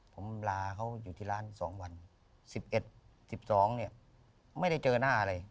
ผมลาเขาอยู่ที่ร้าน๒วัน๑๑๑๒เนี่ยไม่ได้เจอหน้าอะไร